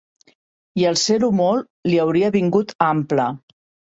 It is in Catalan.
I el ser-ho molt li hauria vingut ample